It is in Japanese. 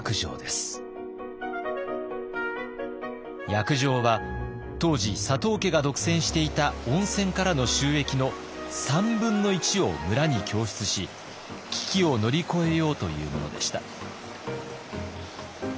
約定は当時佐藤家が独占していた温泉からの収益の３分の１を村に供出し危機を乗り越えようというものでした。